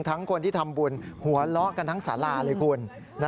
ทั้งคนที่ทำบุญหัวเลาะกันทั้งสาราเลยคุณ